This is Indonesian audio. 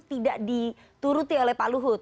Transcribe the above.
tidak dituruti oleh pak luhut